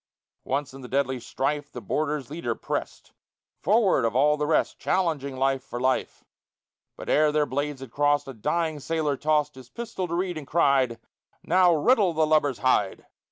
Once in the deadly strife The boarder's leader pressed Forward of all the rest Challenging life for life; But ere their blades had crossed A dying sailor tossed His pistol to Reid, and cried, "Now riddle the lubber's hide!"